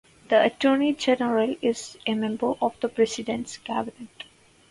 The Attorney General is a member of the President's Cabinet.